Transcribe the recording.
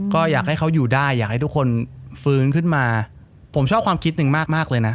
ก็อยากให้เขาอยู่ได้อยากให้ทุกคนฟื้นขึ้นมาผมชอบความคิดหนึ่งมากมากเลยนะ